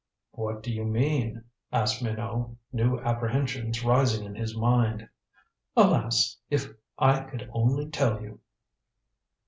"What do you mean?" asked Minot, new apprehensions rising in his mind. "Alas, if I could only tell you."